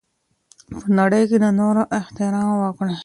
په نړۍ کي د نورو احترام وکړئ.